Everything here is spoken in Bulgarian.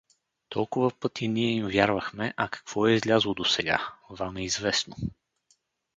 Толкова пъти ние им вярвахме, а какво е излязло досега, вам е известно.